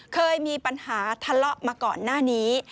เคยมีปัญหาทะเลาะมาก่อนหน้านี้